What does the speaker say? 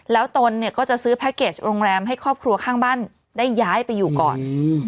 แล้วตนเนี่ยก็จะซื้อแพ็คเกจโรงแรมให้ครอบครัวข้างบ้านได้ย้ายไปอยู่ก่อน